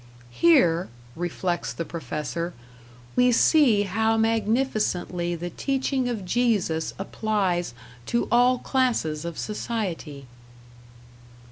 "Here," reflects the professor, "we see how magnificently the teaching of Jesus applies to all classes of society!"